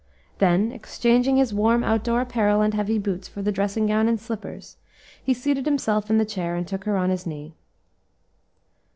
Then exchanging his warm out door apparel and heavy boots for the dressing gown and slippers, he seated himself in the chair and took her on his knee.